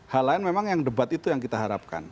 hal lain memang yang debat itu yang kita harapkan